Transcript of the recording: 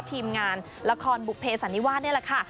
และก็ทีมงานละครบุรกแภทศันนิวาสเนี้ยล่ะค่ะ